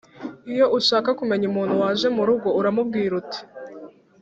Iyo ushaka kumenya umuntu waje mu rugo uramubwira uti